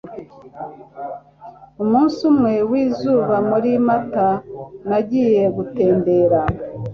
Umunsi umwe wizuba muri Mata, nagiye gutembera.